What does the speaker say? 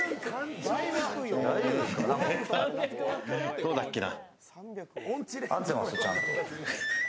どうだっけな？